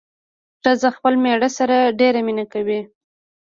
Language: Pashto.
ښځه خپل مېړه سره ډېره مينه کوي